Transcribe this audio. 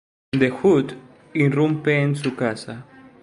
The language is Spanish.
The Hood irrumpe en su casa.